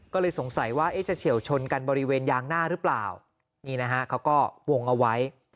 ก็เลยสงสัยว่าจะเฉียวชนกันบริเวณยางหน้าหรือเปล่านี่นะฮะเขาก็วงเอาไว้